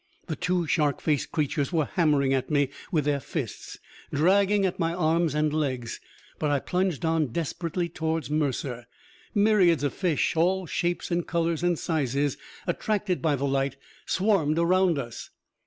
The two shark faced creatures were hammering at me with their fists, dragging at my arms and legs, but I plunged on desperately towards Mercer. Myriads of fish, all shapes and colors and sizes, attracted by the light, swarmed around us.